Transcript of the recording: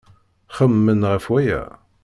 Xemmemen ɣef waya.